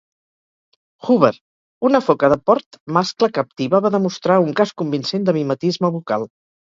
"Hoover", una foca de port mascle captiva va demostrar un cas convincent de mimetisme vocal.